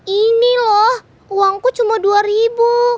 ini loh uangku cuma dua ribu